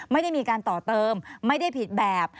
ไม่ได้มีการต่อเติมไม่ได้ผิดแบบ